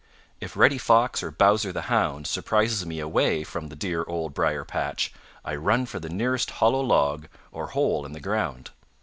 If Reddy Fox or Bowser the Hound surprises me away from the dear Old Briar patch I run for the nearest hollow log or hole in the ground.